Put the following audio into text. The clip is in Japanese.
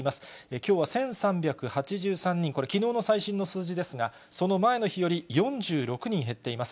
きょうは１３８３人、これ、きのうの最新の数字ですが、その前の日より、４６人減っています。